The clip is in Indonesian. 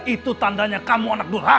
itu tandanya kamu anak durhana